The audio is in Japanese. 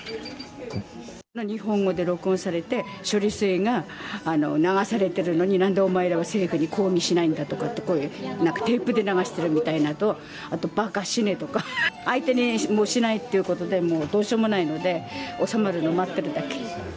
日本語で録音されて処理水が流されているのに何でおまえらは政府に抗議しないんだとか何かテープで流しているみたいなのとかあと、ばか、死ねとか相手にしないということでどうしようもないので収まるのを待っているだけ。